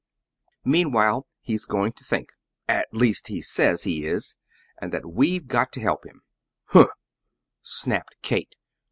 Meanwhile, he's going to think. At least, he says he is, and that we've got to help him." "Humph!" snapped Kate.